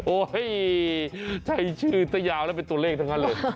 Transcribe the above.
โอ้ยใช้ชื่อตะยาวแล้วเป็นตัวเลขทั้ง๕เลข